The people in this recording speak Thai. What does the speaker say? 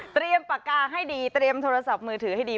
ปากกาให้ดีเตรียมโทรศัพท์มือถือให้ดี